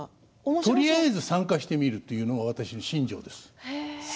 とりあえず参加してみるというのは私の信条です。